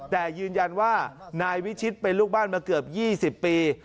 แต่ยืนยันว่านายวิชิตเป็นลูกบ้านมาเกือบ๒๐ปี